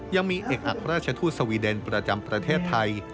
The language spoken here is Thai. ยังมีเอกอักราชทูตสวีเดนประจำประเทศไทย